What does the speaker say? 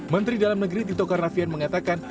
menteri dalam negeri tito karnavian mengatakan